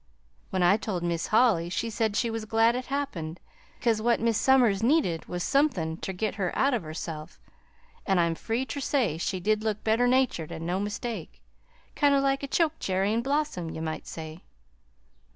When I told Mis' Holly, she said she was glad it happened, 'cause what Mis' Somers needed was somethin' ter git her out of herself an' I'm free ter say she did look better natured, an' no mistake, kind o' like a chokecherry in blossom, ye might say."